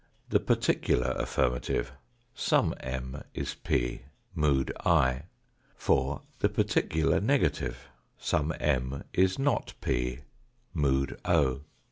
The particular affirmative ; some M is p, mood I. 4. The particular negative ; some M is not p, mood o.